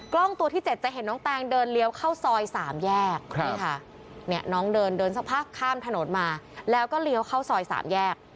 กล้องตัวที่๗จะเห็นน้องแตงเดินเลี้ยวเข้าซอย๓แยกนี่ค่ะเนี่ยน้องเดินเดินสักพักข้ามถนนมาแล้วก็เลี้ยวเข้าซอย๓แยก